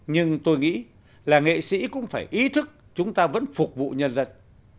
nhưng tôi nghĩ là nghệ sĩ cũng phải ý thức chúng ta vẫn phục vụ nhân dân